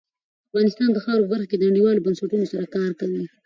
افغانستان د خاوره په برخه کې نړیوالو بنسټونو سره کار کوي.